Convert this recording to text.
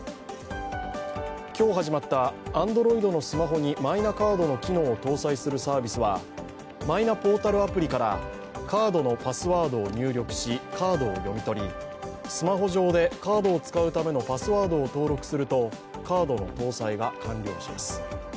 今日、始まったＡｎｄｒｏｉｄのスマホにマイナカードの機能を搭載するサービスはマイナポータルアプリからカードのパスワードを入力し、カードを読み取り、スマホ上でカードを使うためのパスワードを登録するとカードの搭載が完了します。